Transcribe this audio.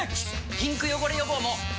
ピンク汚れ予防も！